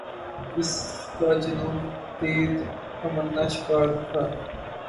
کس کا جنون دید تمنا شکار تھا